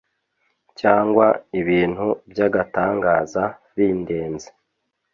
cyangwa ibintu by'agatangaza bindenze